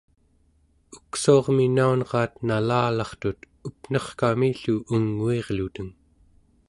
uksuarmi naunraat nalalartut up'nerkami-llu unguirluteng